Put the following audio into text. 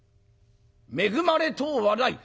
恵まれとうはない」。